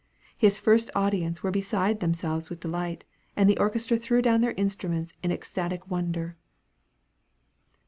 His first audience were beside themselves with delight, and the orchestra threw down their instruments in ecstatic wonder."